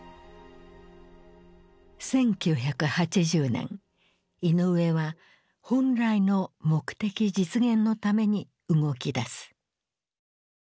１９８０年イノウエは本来の目的実現のために動きだす。